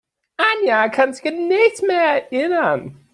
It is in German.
Anja kann sich an nichts mehr erinnern.